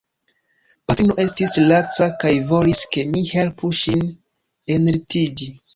Patrino estis laca kaj volis ke mi helpu ŝin enlitiĝi.